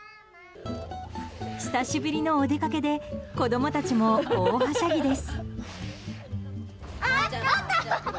久しぶりのお出かけで子供たちも大はしゃぎです。